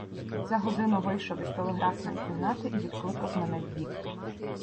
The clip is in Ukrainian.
За годину вийшов із телеграфної кімнати і відкликав мене вбік.